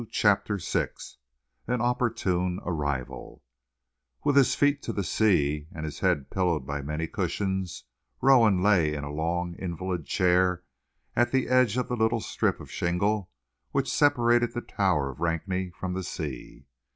CHAPTER VI AN OPPORTUNE ARRIVAL With his feet to the sea, and his head pillowed by many cushions, Rowan lay in a long invalid chair at the edge of the little strip of shingle which separated the tower of Rakney from the sea.